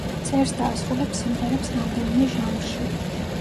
წერს და ასრულებს სიმღერებს რამდენიმე ჟანრში.